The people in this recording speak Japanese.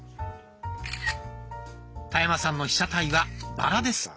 田山さんの被写体はバラです。